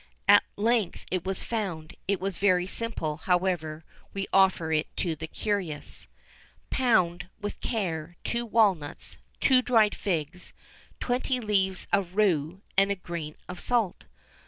At length it was found; it was very simple: however, we offer it to the curious: Pound, with care, two walnuts, two dried figs, twenty leaves of rue, and a grain of salt.